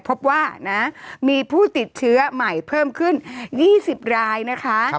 พบว่านะมีผู้ติดเชื้อใหม่เพิ่มขึ้น๒๐รายนะคะ